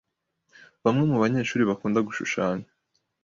Bamwe mubanyeshuri bakunda gushushanya.